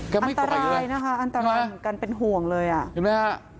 กระปรุงเข็มมาสอนอันตรายนะคะอะไรอันตรายเหมือนกันเป็นห่วงเลยอ่ะ